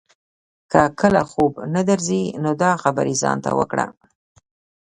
که کله خوب نه درځي نو دا خبرې ځان ته وکړه.